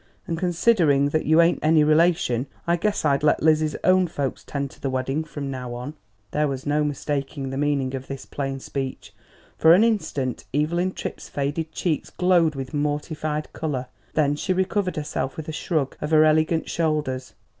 And considering that you ain't any relation I guess I'd let Lizzie's own folks 'tend to the wedding from now on." There was no mistaking the meaning of this plain speech. For an instant Evelyn Tripp's faded cheeks glowed with mortified colour; then she recovered herself with a shrug of her elegant shoulders.